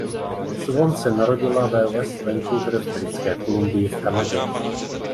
Swan se narodila ve West Vancouver v Britské Kolumbii v Kanadě.